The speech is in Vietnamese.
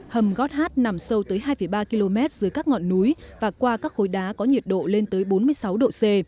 hầm gót hát nằm sâu tới hai ba km dưới các ngọn núi và qua các khối đá có nhiệt độ lên tới bốn mươi sáu độ c